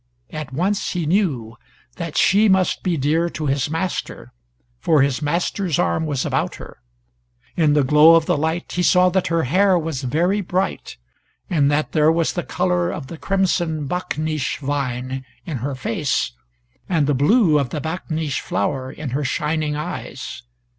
At once he knew that she must be dear to his master, for his master's arm was about her. In the glow of the light he saw that her hair was very bright, and that there was the color of the crimson bakneesh vine in her face and the blue of the bakneesh flower in her shining eyes.